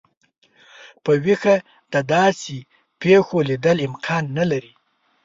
په ویښه د داسي پیښو لیدل امکان نه لري.